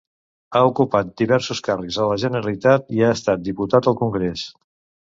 Ha ocupat diversos càrrecs a la Generalitat i ha estat diputat al Congrés.